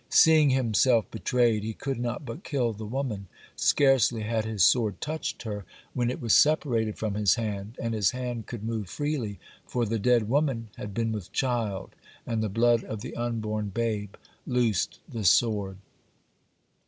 Seeing himself betrayed, he could not but kill the woman. Scarcely had his sword touched her, when it was separated from his hand, and his hand could move freely, for the dead woman had been with child, and the blood of the unborn babe loosed the sword.